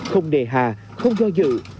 không đề hà không do dự